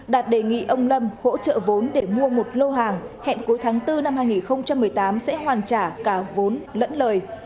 đạt đề nghị ông lâm hỗ trợ vốn để mua một lô hàng hẹn cuối tháng bốn năm hai nghìn một mươi tám sẽ hoàn trả cả vốn lẫn lời